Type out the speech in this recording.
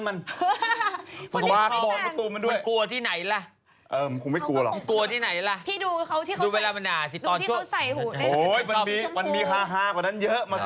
มันมีฮากว่านั้นเยอะ